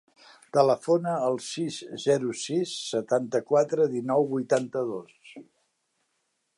Telefona al sis, zero, sis, setanta-quatre, dinou, vuitanta-dos.